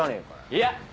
「いや！